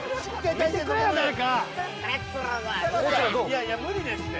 いやいや無理ですって。